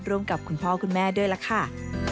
ร่วมกับคุณพ่อคุณแม่ด้วยล่ะค่ะ